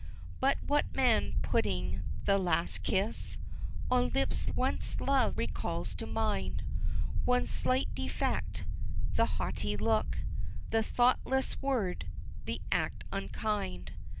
But what man putting the last kiss On lips once loved recalls to mind One slight defect, the haughty look The thoughtless word, the act unkind.